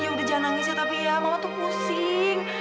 ya udah jangan nangis ya tapi ya mama tuh pusing